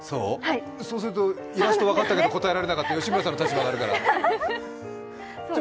そうするとイラストが分かっても答えられなかった吉村さんの立場が。